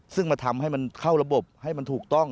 ซึ่งมาทำให้มันเข้าระบบให้มันถูกต้อง